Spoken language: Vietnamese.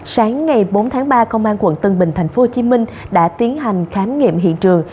sáng ngày bốn tháng ba công an quận tân bình tp hcm đã tiến hành khám nghiệm hiện trường